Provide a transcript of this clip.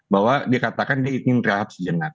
bahwa dikatakan dia ingin reaksi jenak